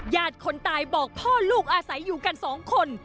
คนตายบอกพ่อลูกอาศัยอยู่กันสองคน